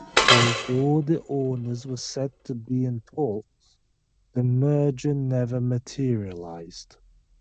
Although the owners were said to be in talks, the merger never materialized.